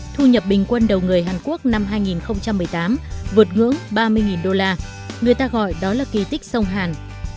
thu nhập bình quân đầu người hàn quốc năm hai nghìn một mươi tám vượt ngưỡng ba mươi đô la người ta gọi đó là kỳ tích sông hàn